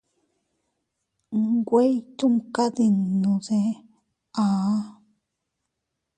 Nwe ytumkadinnu de aʼa.